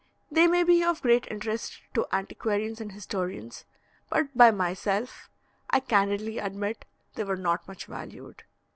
They may be of great interest to antiquarians and historians; but by myself, I candidly admit, they were not much valued.